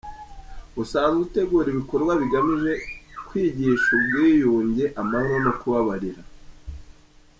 Usanzwe utegura ibikorwa bigamije kwigisha ubwiyunge, amahoro no kubabarira.